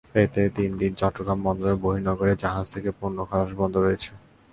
এতে তিন দিন চট্টগ্রাম বন্দরের বহির্নোঙরে জাহাজ থেকে পণ্য খালাস বন্ধ রয়েছে।